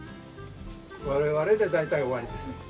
我々で大体終わりですね。